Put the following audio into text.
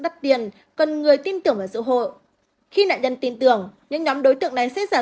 đắt tiền cần người tin tưởng và giữ hộ khi nạn nhân tin tưởng những nhóm đối tượng này sẽ giả